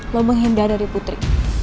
lo menghindari putri